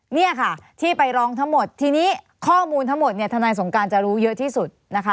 เนี่ยค่ะที่ไปร้องทั้งหมดทีนี้ข้อมูลทั้งหมดเนี่ยทนายสงการจะรู้เยอะที่สุดนะคะ